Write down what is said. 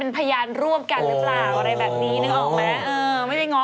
เออไม่ได้ง้อคนสองคน